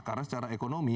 karena secara ekonomi